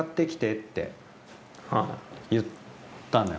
言ったのよ。